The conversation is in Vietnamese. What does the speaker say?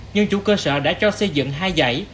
nhưng chủ cơ sở đã cho xây dựng hai dãy